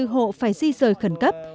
hai mươi bốn hộ phải di rời khẩn cấp